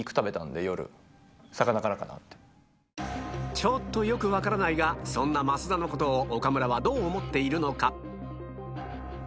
ちょっとよく分からないがそんな増田のことを岡村はどう思っているのか？